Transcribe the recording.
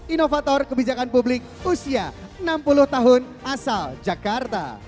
inovator kebijakan publik usia enam puluh tahun asal jakarta